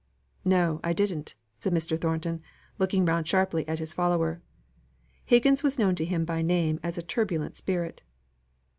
"No, I didn't," said Mr. Thornton, looking round sharply at his follower. Higgins was known to him by name as a turbulent spirit.